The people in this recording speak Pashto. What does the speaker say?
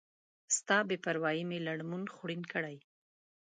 ستا بی پروایي می لړمون خوړین کړی